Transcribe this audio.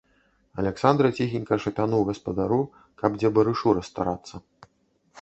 Аляксандра ціхенька шапянуў гаспадару, каб дзе барышу расстарацца.